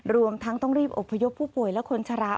รวมทั้งต้องรีบอบพยพผู้ป่วยและคนชะลา